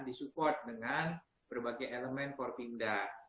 disupport dengan berbagai elemen for tindak